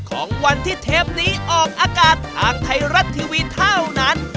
ของวันที่เทปนี้ออกอากาศทางไทยรัฐทีวีเท่านั้น